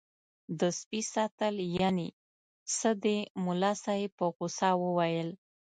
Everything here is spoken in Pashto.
د سپي ساتل یعنې څه دي ملا صاحب په غوسه وویل.